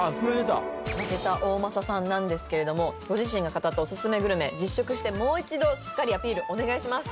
負けた大政さんなんですけれどもご自身が語ったオススメグルメ実食してもう一度しっかりアピールお願いします